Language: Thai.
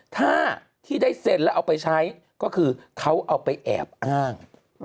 ถ้าที่ได้เซ็นแล้วเอาไปใช้ก็คือเขาเอาไปแอบอ้าง